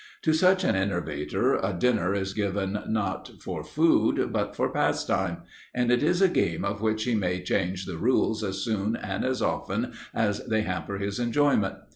To such an innovator a dinner is given not for food but for pastime, and it is a game of which he may change the rules as soon and as often as they hamper his enjoyment.